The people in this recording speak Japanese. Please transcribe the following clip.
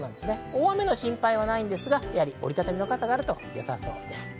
大雨の心配はないですが、折り畳みの傘があるとよさそうです。